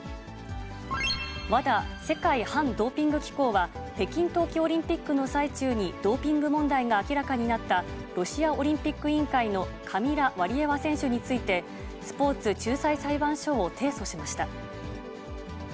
ＷＡＤＡ・世界反ドーピング機構は、北京冬季オリンピックの最中にドーピング問題が明らかになったロシアオリンピック委員会のカミラ・ワリエワ選手について、スポーツ仲裁裁判所を提訴しました。